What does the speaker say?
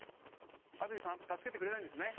安住さん助けてくれないんですね。